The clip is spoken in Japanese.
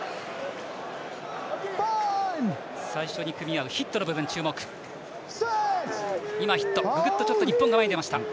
最初に組み合う、ヒットの部分注目ヒット、ググッと日本が前に出ました。